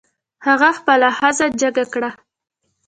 هغه خپله ښځه جګه کړه.